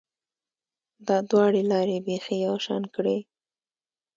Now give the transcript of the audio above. دا دواړې لارې بیخي یو شان کړې